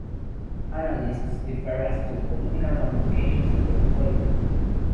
Analysts differ as to the political ramifications of the deployment.